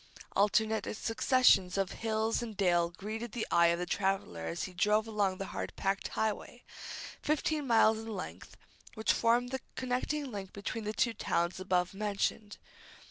Alternate successions of hill and dale greeted the eye of the traveller as he drove along the hard packed highway, fifteen miles in length, which formed the connecting link between the two towns above mentioned.